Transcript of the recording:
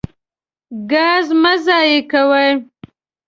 ګاز مه ضایع کوئ.